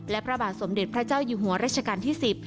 และพระบาทสมเด็จพระเจ้าอยู่หัวรัชกาลที่๑๐